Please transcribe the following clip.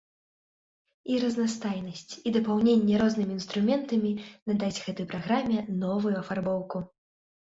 І разнастайнасць, і дапаўненне рознымі інструментамі надасць гэтай праграме новую афарбоўку.